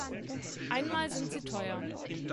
Einmal sind sie teuer.